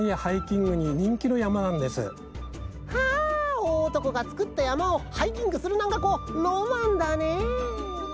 あおおおとこがつくったやまをハイキングするなんかこうロマンだね！